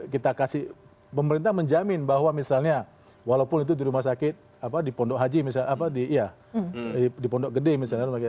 kita kasih pemerintah menjamin bahwa misalnya walaupun itu di rumah sakit di pondok haji di pondok gede misalnya